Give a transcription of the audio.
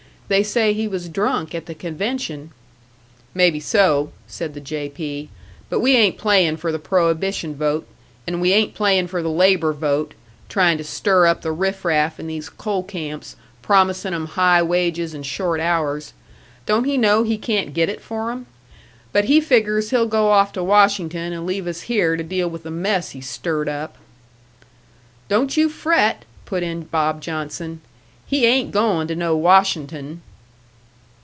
They say he was drunk at the convention " "Maybe so," said the "J. P." "But we ain't playin' for the prohibition vote; and we ain't playin' for the labour vote tryin' to stir up the riff raff in these coal camps, promisin' 'em high wages an' short hours. Don't he know he can't get it for 'em? But he figgers he'll go off to Washington and leave us here to deal with the mess he's stirred up!" "Don't you fret," put in Bob Johnson "he ain't goin' to no Washin'ton."